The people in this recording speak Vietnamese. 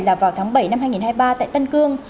là vào tháng bảy năm hai nghìn hai mươi ba tại tân cương